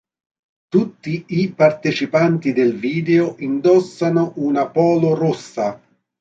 Tutti i partecipanti del video indossano una polo rossa.